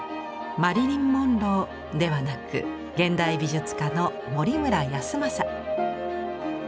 マリリン・モンローではなく現代美術家の森村泰昌。